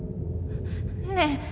ねえ